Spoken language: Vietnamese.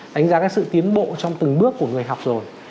đánh giá cái sự tiến bộ trong từng bước của người học rồi